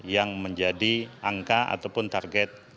yang menjadi angka ataupun target